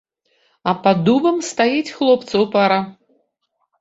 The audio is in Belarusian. А пад дубам стаіць хлопцаў пара.